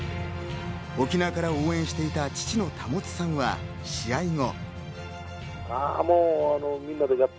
沖縄から応援していた父の保さんは試合後。